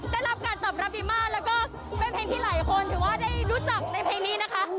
ได้รับการตอบรับดีมากแล้วก็เป็นเพลงที่หลายคนถือว่าได้รู้จักในเพลงนี้นะคะ